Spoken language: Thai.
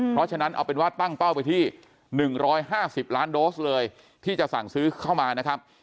เพราะฉะนั้นเอาเป็นว่าตั้งเป้าไปที่๑๕๐ล้านโดสเลยที่จะสั่งซื้อเข้ามานะครับ